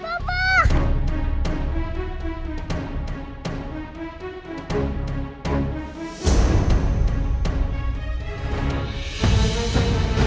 bapak tolong dirimanya